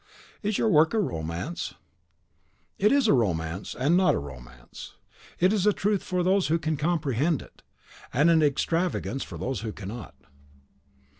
"Is your work a romance?" "It is a romance, and it is not a romance. It is a truth for those who can comprehend it, and an extravagance for those who cannot."